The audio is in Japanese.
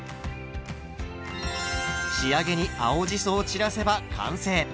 仕上げに青じそを散らせば完成。